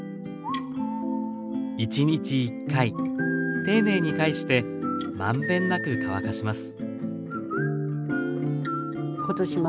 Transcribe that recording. １日１回丁寧に返してまんべんなく乾かします。